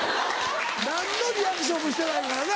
何のリアクションもしてないからな。